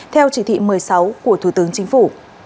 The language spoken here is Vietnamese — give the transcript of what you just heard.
theo chỉ thị một mươi sáu của thủ tướng chính phủ